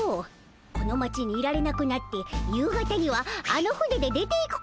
この町にいられなくなって夕方にはあの船で出ていくことになるでおじゃる。